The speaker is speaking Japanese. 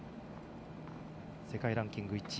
世界ランキング１位。